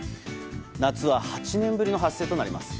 夏は８年ぶりの発生となります。